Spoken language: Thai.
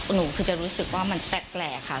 หนูคือจะรู้สึกว่ามันแปลกค่ะ